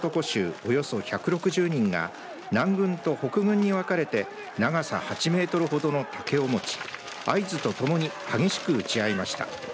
およそ１６０人が南軍と北軍に分かれて長さ８メートルほどの竹を持ち合図とともに激しく打ち合いました。